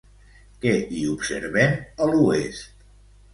Què hi observem a l'oest?